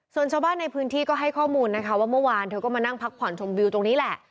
ส่วนชาวบ้านในพื้นที่ก็ให้ข้อมูลนะคะว่าเมื่อวานเธอก็มานั่งพักผ่อนชมวิวตรงนี้แหละ